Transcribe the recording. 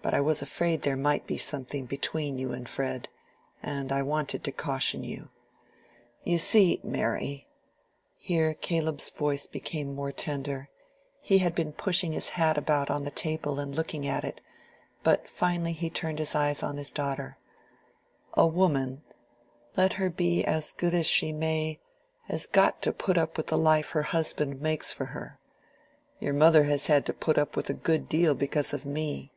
But I was afraid there might be something between you and Fred, and I wanted to caution you. You see, Mary"—here Caleb's voice became more tender; he had been pushing his hat about on the table and looking at it, but finally he turned his eyes on his daughter—"a woman, let her be as good as she may, has got to put up with the life her husband makes for her. Your mother has had to put up with a good deal because of me."